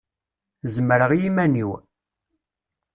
Zemreɣ i iman-iw.